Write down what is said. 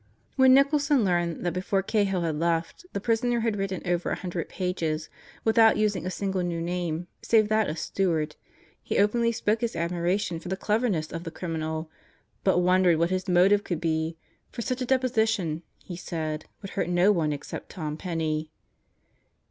When Nicholson learned that before Cahill had left, the prisoner had written over a hundred pages without using a single new name save that of Stewart, he openly spoke his admiration for the cleverness of the criminal, but wondered what his motive could be; for such a deposition, he said, would hurt no one except Tom Penney.